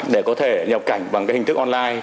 để có thể nhập cảnh bằng hình thức online